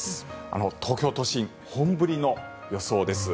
東京都心、本降りの予想です。